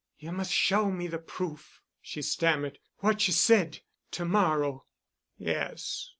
"You must show me the proof——," she stammered, "what you said—to morrow." "Yes.